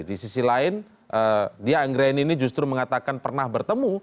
di sisi lain dia anggreni ini justru mengatakan pernah bertemu